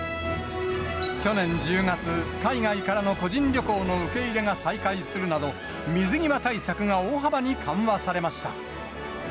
去年１０月、海外からの個人旅行の受け入れが再開するなど、水際対策が大幅に緩和されました。